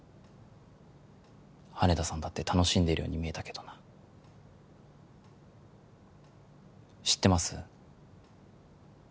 羽田さんだって楽しんでるように見えたけどな知ってます？